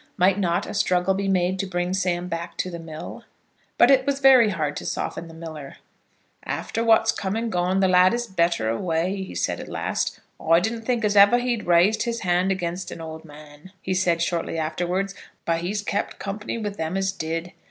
Might not a struggle be made to bring Sam back to the mill? But it was very hard to soften the miller. "After what's come and gone, the lad is better away," he said, at last. "I didn't think as he'd ever raised his hand again an old man," he said, shortly afterwards; "but he's kep' company with them as did.